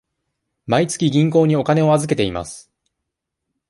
毎月銀行にお金を預けています。